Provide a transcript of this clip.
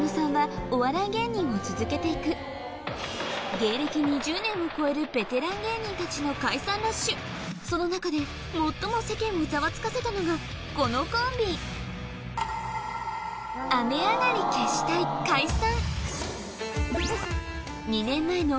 芸歴２０年を超えるその中で最も世間をざわつかせたのがこのコンビ雨上がり決死隊解散